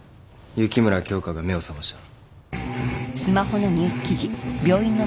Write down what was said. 雪村京花が目を覚ました。